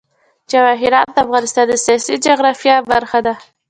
جواهرات د افغانستان د سیاسي جغرافیه برخه ده.